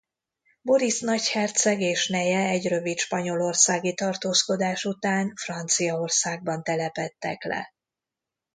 Borisz nagyherceg és neje egy rövid spanyolországi tartózkodás után Franciaországban telepedtek le.